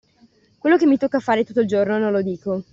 Quello che mi tocca fare tutto il giorno, non lo dico;